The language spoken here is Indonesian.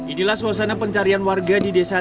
inilah suasana pencarian warga di desa